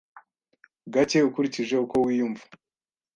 gake ukurikije uko wiyumva